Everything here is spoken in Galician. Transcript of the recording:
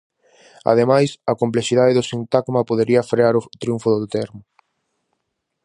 Ademais, a complexidade do sintagma podería frear o triunfo do termo.